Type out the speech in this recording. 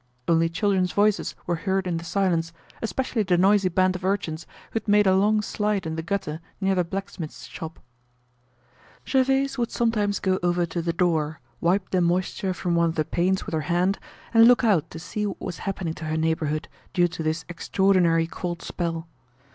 Only children's voices were heard in the silence, especially the noisy band of urchins who had made a long slide in the gutter near the blacksmith's shop. Gervaise would sometimes go over to the door, wipe the moisture from one of the panes with her hand, and look out to see what was happening to her neighborhood due to this extraordinary cold spell.